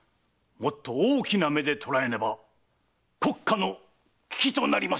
もっと大きな目でとらえねば国家の危機となりまする。